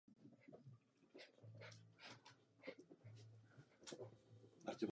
Přes oči má skokan lesní černou masku.